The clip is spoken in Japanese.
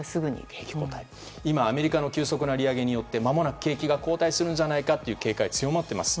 今、アメリカの急速な利上げによってまもなく景気が後退するんじゃないかという声が強まっています。